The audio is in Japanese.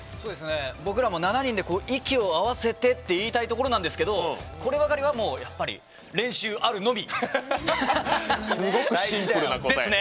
僕らも７人で息を合わせてって言いたいところなんですけどこればかりは、やっぱりすごくシンプルな答え。